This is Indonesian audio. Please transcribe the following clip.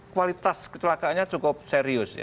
kualitas kecelakaannya cukup serius